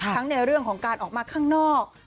ในเรื่องของการออกมาข้างนอก